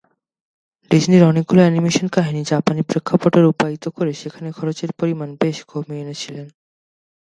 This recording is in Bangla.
ডিজনির অনেকগুলো অ্যানিমেশন কাহিনী জাপানি প্রেক্ষাপটে রূপায়িত করে সেখানে খরচের পরিমাণ বেশ কমিয়ে এনেছিলেন।